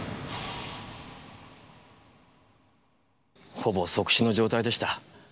ほぼ即死の状態でした。